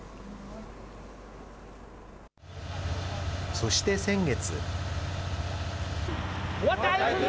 そして先月。